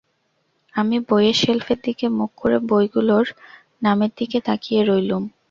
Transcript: আমি বইয়ের শেলফের দিকে মুখ করে বইগুলোর নামের দিকে তাকিয়ে রইলুম।